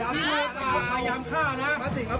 เอาลูกปืนมาเขาทำร้ายกาด